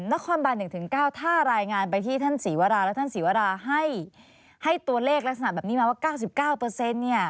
นครบาน๑๙ถ้ารายงานไปที่ท่านศรีวราและท่านศรีวราให้ตัวเลขลักษณะแบบนี้มาว่า๙๙เนี่ย